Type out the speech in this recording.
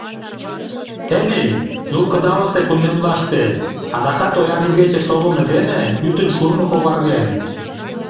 Тений Юл кыдалсе кундемлаште адакат ояр игече шогымо дене пӱтынь шурно когарген.